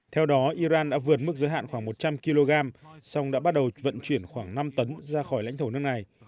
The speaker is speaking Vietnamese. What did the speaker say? theo đó iran đã vượt mức giới hạn khoảng một trăm linh kg song đã bắt đầu vận chuyển khoảng năm tấn ra khỏi lãnh thổ nước này